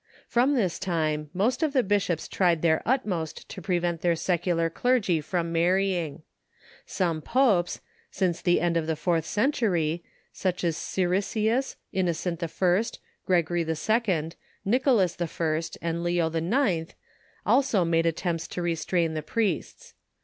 From this time, most of the bishops tried their utmost to prevent their secular clergy from marrying. Some Popes, since the end of the fourth century, such as Siricius, Innocent I., Gregory II., Nicolas I., and Leo IX. also made attempts to restrain the priests.